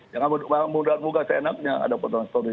jangan mudah mudahan seenaknya ada potongan story tiga puluh satu